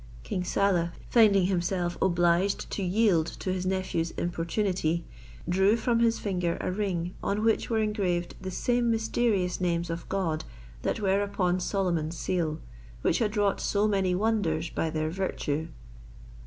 King Saleh, finding himself obliged to yield to his nephew's importunity, drew from his finger a ring, on which were engraved the same mysterious names of God that were upon Solomon's seal, which had wrought so many wonders by their virtue.